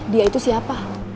dia itu siapa